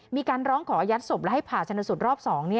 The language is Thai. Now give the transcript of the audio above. มีการร้องขออายัดศพและให้ผ่าชนสูตรรอบ๒